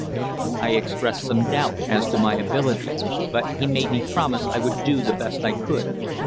I expressed some doubt as to my ability, but he made me promise I would do the best I could.